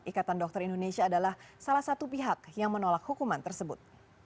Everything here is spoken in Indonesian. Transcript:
ikatan dokter indonesia adalah salah satu pihak yang menolak hukuman tersebut